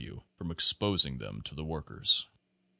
W. from exposing them to the workers.